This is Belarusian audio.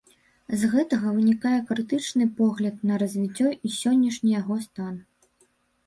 З гэтага вынікае крытычны погляд на развіццё і сённяшні яго стан.